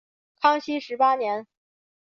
康熙十八年。